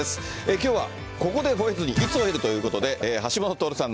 きょうはここでほえずにいつほえるということで、橋下徹さん